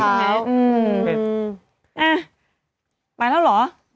อ่าไปแล้วหรอ